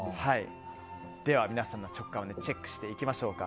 では皆さんの直感をチェックしていきましょうか。